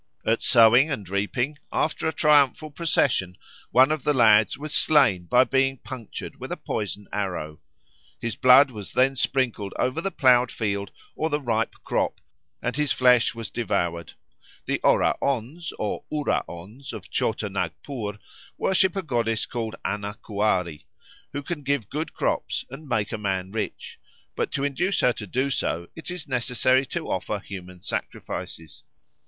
At sowing and reaping, after a triumphal procession, one of the lads was slain by being punctured with a poisoned arrow. His blood was then sprinkled over the ploughed field or the ripe crop, and his flesh was devoured. The Oraons or Uraons of Chota Nagpur worship a goddess called Anna Kuari, who can give good crops and make a man rich, but to induce her to do so it is necessary to offer human sacrifices.